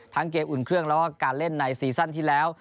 เกมอุ่นเครื่องแล้วก็การเล่นในซีซั่นที่แล้ว